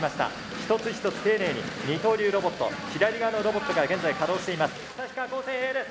一つ一つ丁寧に二刀流ロボット左側のロボットが現在稼働しています。